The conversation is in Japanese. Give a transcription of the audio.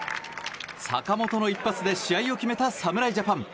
坂本の一発で試合を決めた侍ジャパン。